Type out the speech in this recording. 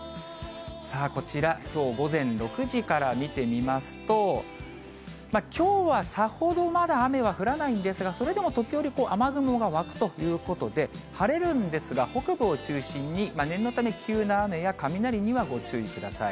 こちら、きょう午前６時から見てみますと、きょうはさほどまだ雨は降らないんですが、それでも時折、雨雲が湧くということで、晴れるんですが、北部を中心に、念のため、急な雨や雷にはご注意ください。